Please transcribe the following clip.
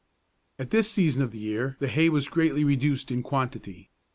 At this season of the year the hay was greatly reduced in quantity.